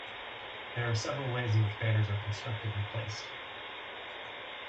There are several ways in which banners are constructed and placed.